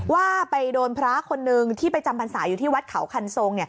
ว่าไปโดนพระคนนึงที่ไปจำพรรษาอยู่ที่วัดเขาคันทรง